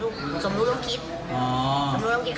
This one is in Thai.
แค่ลงเฟสด่าเพราะพ่อคนแม่เขานี่ก็ต่อยเต็มแรงแล้วนะ